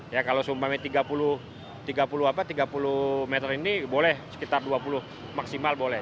ya kalau sumbangnya tiga puluh meter ini boleh sekitar dua puluh maksimal boleh